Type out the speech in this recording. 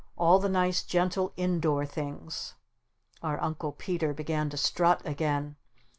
"All the nice gentle in door things." Our Uncle Peter began to strut again.